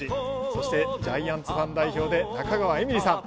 そしてジャイアンツファン代表で中川絵美里さん。